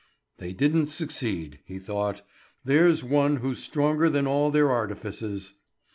"They didn't succeed," he thought. "There's One who's stronger than all their artifices."